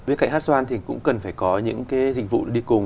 với cạnh hát xoan thì cũng cần phải có những dịch vụ đi cùng